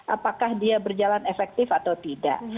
apakah dia berjalan efektif atau tidak